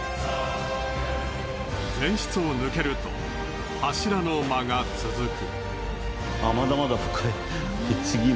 前室を抜けると柱の間が続く。